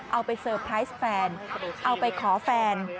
เอาไปเซอร์ไพรส์แฟนเอาไปขอแฟน